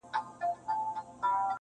دلته لېونیو نن د عقل ښار نیولی دی-